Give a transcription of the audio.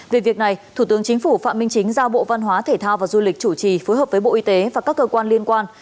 về việc này thủ tướng chính phủ phạm minh chính giao bộ văn hóa thể thao và du lịch chủ trì phối hợp với bộ y tế và các cơ quan liên quan